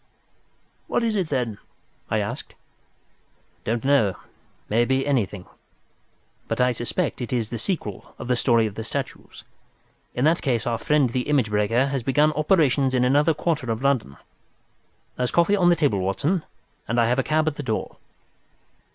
"What is it, then?" I asked. "Don't know—may be anything. But I suspect it is the sequel of the story of the statues. In that case our friend the image breaker has begun operations in another quarter of London. There's coffee on the table, Watson, and I have a cab at the door."